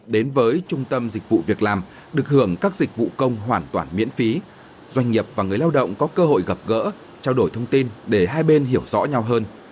để đáp ứng nhu cầu lao động doanh nghiệp và người lao động có cơ hội gặp gỡ trao đổi thông tin để hai bên hiểu rõ nhau hơn